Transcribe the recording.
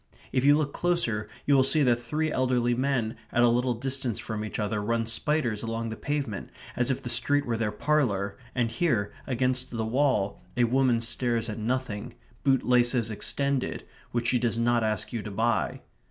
If you look closer you will see that three elderly men at a little distance from each other run spiders along the pavement as if the street were their parlour, and here, against the wall, a woman stares at nothing, boot laces extended, which she does not ask you to buy.